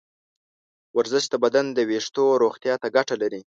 ورزش د بدن د ویښتو روغتیا ته ګټه لري.